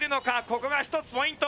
ここがひとつポイント。